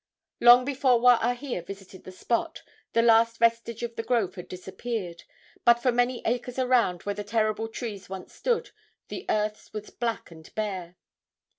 Long before Waahia visited the spot the last vestige of the grove had disappeared, but for many acres around where the terrible trees once stood the earth was black and bare.